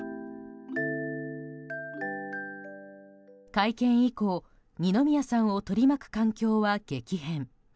会見以降二宮さんを取り巻く環境は激変。